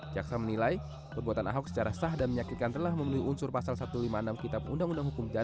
jaksa menilai perbuatan ahok secara sah dan menyakitkan telah memenuhi unsur pasal satu ratus lima puluh enam kitab undang undang hukum